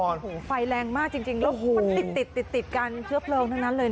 ฟัยแรงมากจริงแล้วติดกันเชื้อเปลืองทั้งนั้นเลย